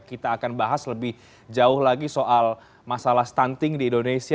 kita akan bahas lebih jauh lagi soal masalah stunting di indonesia